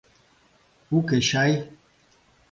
Уке чай?